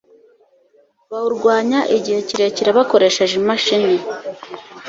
bawurwanya igihe kirekire bakoresheje imashini